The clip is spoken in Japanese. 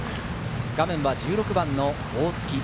画面は１６番の大槻。